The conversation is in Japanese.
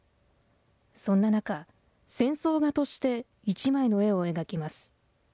そんな中、戦争画として１枚の絵を描きます。